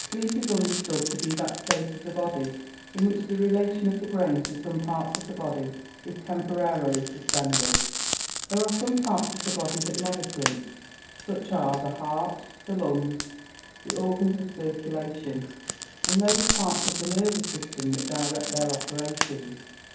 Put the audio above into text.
_ Sleep is understood to be that state of the body in which the relation of the brain to some parts of the body is temporarily suspended. There are some parts of the body that never sleep: such are the heart, the lungs, the organs of circulation, and those parts of the nervous system that direct their operations.